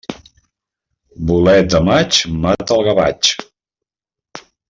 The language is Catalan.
Bolet de maig mata el gavatx.